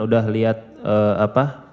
udah lihat apa